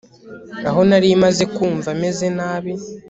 Aho nari maze kumva meze nabi